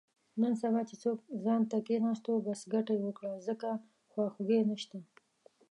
نن سبا چې څوک ځانته کېناستو، بس ګټه یې وکړه، ځکه خواخوږی نشته.